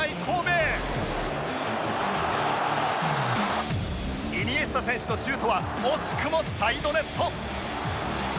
イニエスタ選手のシュートは惜しくもサイドネット